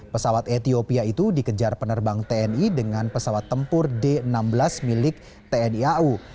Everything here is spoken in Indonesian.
pesawat ethiopia itu dikejar penerbang tni dengan pesawat tempur d enam belas milik tni au